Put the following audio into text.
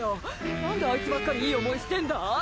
何で、あいつばっかりいい思いしてんだ？